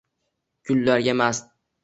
Gullarga mast